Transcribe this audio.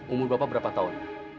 umur bapak berapa tahun